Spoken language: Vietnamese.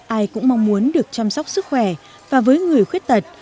ai cũng mong muốn được chăm sóc sức khỏe và với người khuyết tật